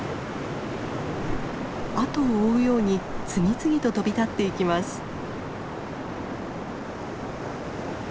後を追うように次々と飛び立っていきます。